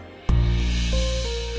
dia memang cukup kritis